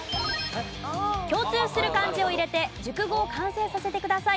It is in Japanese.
共通する漢字を入れて熟語を完成させてください。